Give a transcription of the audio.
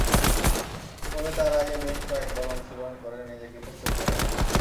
তবে তার আগে বেশ কয়েকবার অনুশীলন করে নিজেকে প্রস্তুত করে নাও।